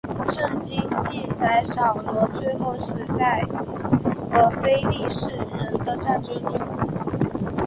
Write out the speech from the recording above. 圣经记载扫罗最后死在和非利士人的战争中。